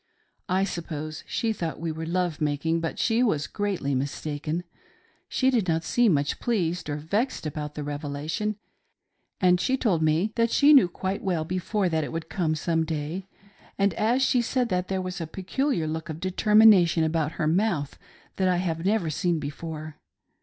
I suppose she thought we were love making, but she was greatly mistaken. She did not seem much pleased or vexed about the Revelation, and she told me that she knew quite well before that it would come some day ; and as she said that there was a peculiar look of determination about her mouth that I had never noticed before.